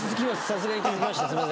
さすがに気付きました。